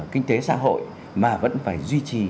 kinh tế xã hội mà vẫn phải duy trì